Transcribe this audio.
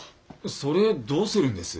それどうするんです？